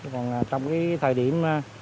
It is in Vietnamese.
còn trong thời điểm